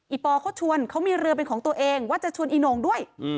ปอเขาชวนเขามีเรือเป็นของตัวเองว่าจะชวนอีโน่งด้วย